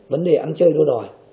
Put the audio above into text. vấn đề ăn chơi đô đòi